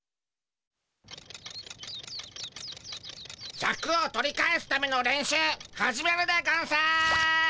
シャクを取り返すための練習始めるでゴンス！